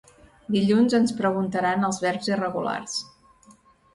Dilluns ens preguntaran els verbs irregulars.